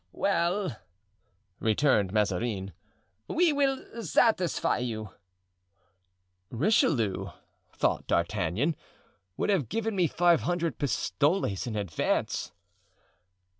"Well," returned Mazarin, "we will satisfy you." "Richelieu," thought D'Artagnan, "would have given me five hundred pistoles in advance."